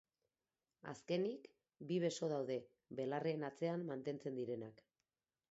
Azkenik, bi beso daude, belarrien atzean mantentzen direnak.